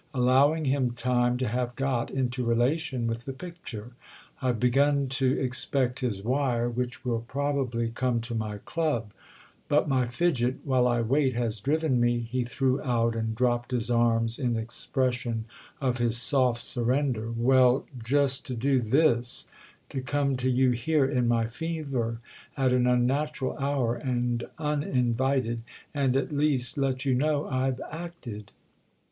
Allowing him time to have got into relation with the picture, I've begun to expect his wire, which will probably come to my club; but my fidget, while I wait, has driven me"—he threw out and dropped his arms in expression of his soft surrender—"well, just to do this: to come to you here, in my fever, at an unnatural hour and uninvited, and at least let you know I've 'acted.